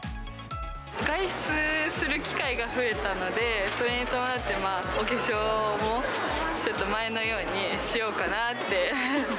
外出する機会が増えたので、それに伴ってお化粧も、ちょっと前のようにしようかなって。